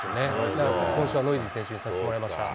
なので今週はノイジー選手にさせてもらいました。